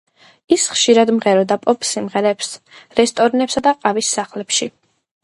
ის ხშირად მღეროდა პოპ სიმღერებს რესტორნებსა და ყავის სახლებში.